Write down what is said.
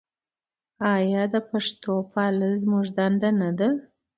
آیا د پښتو پالل زموږ دنده نه ده؟